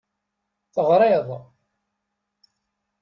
Teɣriḍ.